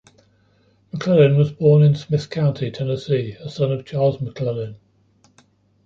McLellin was born in Smith County, Tennessee, a son of Charles McLellin.